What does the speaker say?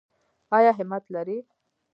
ایا همت لرئ؟